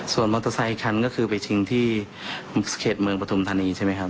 ส่วนรถไซคันก็คือไปชิงที่เขตเมืองปฐุมธานีใช่ไหมครับ